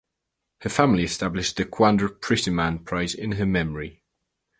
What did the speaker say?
Her family established the Quandra Prettyman Prize in her memory.